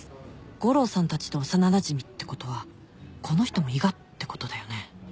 悟郎さんたちと幼なじみってことはこの人も伊賀ってことだよね